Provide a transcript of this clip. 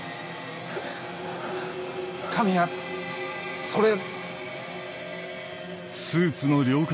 神谷それ。